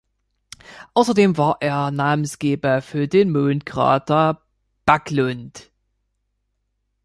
Außerdem war er Namensgeber für den Mondkrater Backlund.